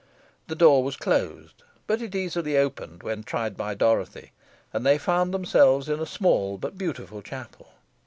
The door was closed, but it easily opened when tried by Dorothy, and they found themselves in a small but beautiful chapel.